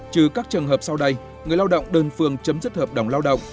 trừ các trường hợp sau đây người lao động đơn phương chấm dứt hợp đồng lao động